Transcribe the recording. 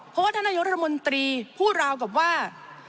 เพราะว่าท่านนายกรัฐมนตรีพูดราวกับว่า